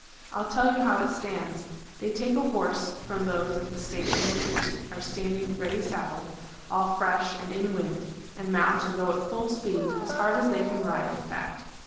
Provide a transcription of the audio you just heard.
I'll tell you how it stands. They take a horse from those at the station which are standing ready saddled, all fresh and in wind, and mount and go at full speed, as hard as they can ride in fact.